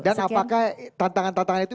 dan apakah tantangan tantangan itu